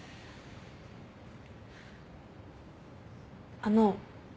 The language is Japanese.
あの。